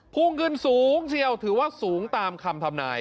ภูมิกึ่งสูงเชียวถือว่าสูงตามคำธรรมนาย